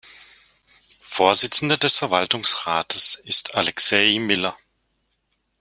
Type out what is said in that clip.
Vorsitzender des Verwaltungsrates ist Alexej Miller.